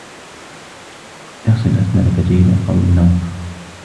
اغسل أسنانك جيدا قبل النوم.